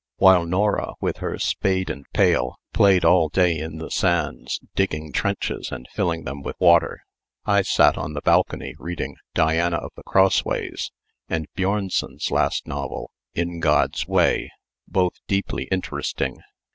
While Nora, with her spade and pail, played all day in the sands, digging trenches and filling them with water, I sat on the balcony reading "Diana of the Crossways," and Bjornson's last novel, "In God's Way," both deeply interesting.